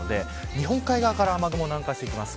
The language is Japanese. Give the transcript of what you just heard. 日本海側から雨雲、南下します。